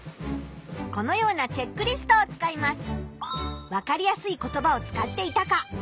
このようなチェックリストを使います。